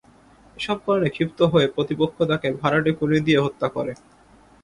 এসব কারণে ক্ষিপ্ত হয়ে প্রতিপক্ষ তাঁকে ভাড়াটে খুনি দিয়ে হত্যা করে।